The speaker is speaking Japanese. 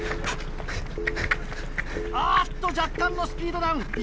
あっと若干のスピードダウン。